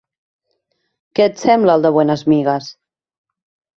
Què et sembla el de Buenas Migas?